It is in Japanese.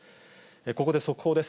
ここで速報です。